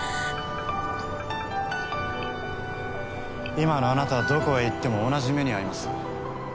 今のあなたはどこへ行っても同じ目に遭います。